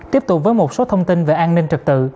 tiếp tục với một số thông tin về an ninh trật tự